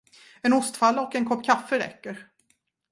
En ostfralla och en kopp kaffe räcker.